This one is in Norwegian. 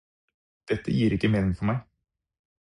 Dette gir ikke mening for meg.